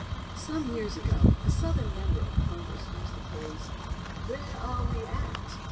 Some years ago a Southern member of Congress used the phrase, "Where are we at?"